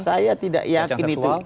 saya tidak yakin itu